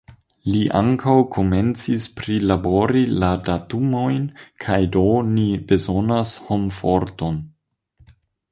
Li ankaŭ komencis prilabori la datumojn kaj do ni bezonas homforton.